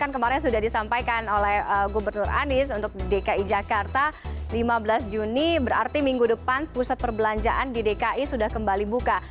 kemarin sudah disampaikan oleh gubernur anies untuk dki jakarta lima belas juni berarti minggu depan pusat perbelanjaan di dki sudah kembali buka